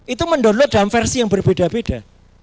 itu mendownload dalam versi yang berbeda beda